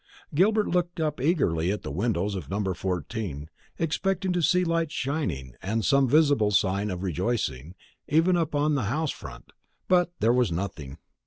Gilbert looked up eagerly at the windows of Number 14, expecting to see lights shining, and some visible sign of rejoicing, even upon the house front; but there was nothing.